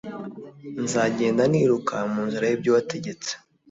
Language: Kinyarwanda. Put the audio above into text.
Nzagenda niruka mu nzira y ibyo wategetse